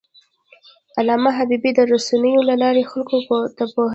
علامه حبيبي د رسنیو له لارې خلکو ته پوهاوی ورکړی.